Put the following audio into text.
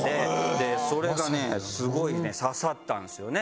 でそれがねすごいね刺さったんですよね。